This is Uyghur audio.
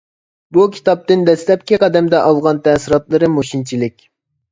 بۇ كىتابتىن دەسلەپكى قەدەمدە ئالغان تەسىراتلىرىم مۇشۇنچىلىك.